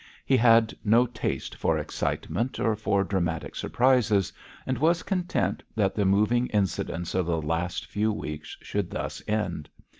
He had no taste for excitement or for dramatic surprises, and was content that the moving incidents of the last few weeks should thus end.